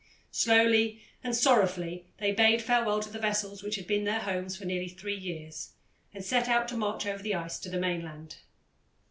Slowly and sorrowfully they bade farewell to the vessels which had been their homes for nearly three years, and set out to march over the ice to the mainland.